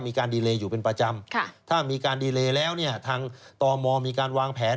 มีการดีเลอยู่เป็นประจำถ้ามีการดีเลแล้วเนี่ยทางตมมีการวางแผน